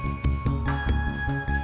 gak usah banyak ngomong